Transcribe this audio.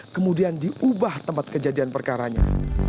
kemudian diubah tempat kejadian perkaranya